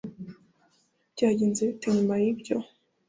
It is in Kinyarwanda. byagenze bite nyuma yibyo